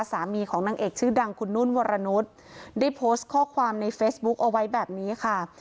สามีของนางเอกชื่อดังคุณนุ่นวรนุษย์ได้โพสต์ข้อความในเฟซบุ๊คเอาไว้แบบนี้ค่ะ